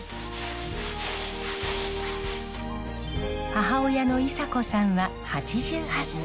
母親の功子さんは８８歳。